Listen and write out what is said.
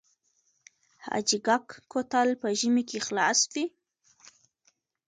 حاجي ګک کوتل په ژمي کې خلاص وي؟